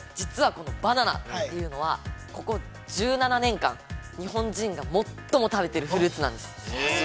実はこのバナナはここ１７年間、日本人がもっとも食べているフルーツなんです。